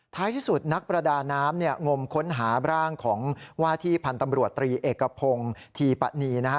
ที่สุดนักประดาน้ำเนี่ยงมค้นหาร่างของว่าที่พันธ์ตำรวจตรีเอกพงศ์ทีปะนีนะฮะ